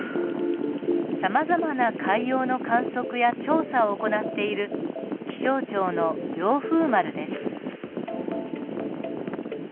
さまざまな海洋の観測や調査を行っている気象庁の凌風丸です。